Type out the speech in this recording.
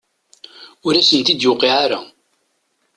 Ur asent-d-tuqiɛ ara?